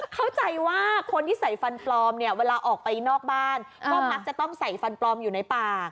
เข้าใจว่าคนที่ใส่ฟันปลอมเนี่ยเวลาออกไปนอกบ้านก็มักจะต้องใส่ฟันปลอมอยู่ในป่า